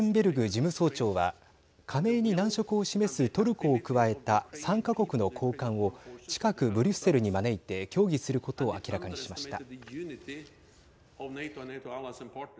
事務総長は加盟に難色を示すトルコを加えた３か国の高官を近くブリュッセルに招いて協議することを明らかにしました。